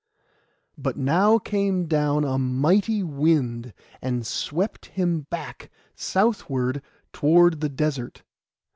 But now came down a mighty wind, and swept him back southward toward the desert.